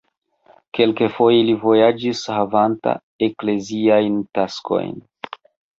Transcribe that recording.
Kelkfoje li vojaĝis havanta ekleziajn taskojn.